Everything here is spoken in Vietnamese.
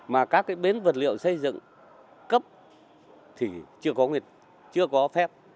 mà các cái bến vật liệu xây dựng cấp thì chưa có nguyệt chưa có phép